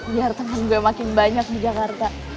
biar temen juga makin banyak di jakarta